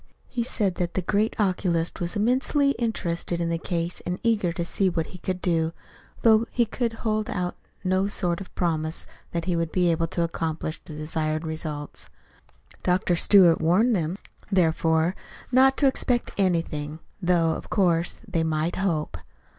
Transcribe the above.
He said that the great oculist was immensely interested in the case and eager to see what he could do though he could hold out no sort of promise that he would be able to accomplish the desired results. Dr. Stewart warned them, therefore, not to expect anything though, of course, they might hope.